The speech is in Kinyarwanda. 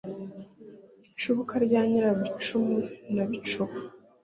Icubuka rya Nyirabicu na Bicuba,